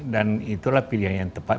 dan itulah pilihan yang tepat